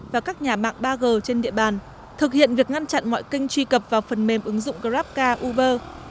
và các nhà mạng ba g trên địa bàn thực hiện việc ngăn chặn mọi kênh truy cập vào phần mềm ứng dụng grabca uber